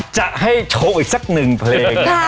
จะให้โชว์อีกสักหนึ่งเพลง